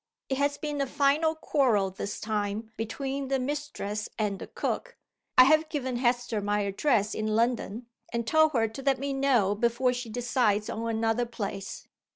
It has been a final quarrel this time between the mistress and the cook. I have given Hester my address in London, and told her to let me know before she decides on another place.